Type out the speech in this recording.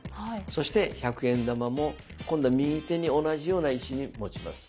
そして１００円玉も今度は右手に同じような位置に持ちます。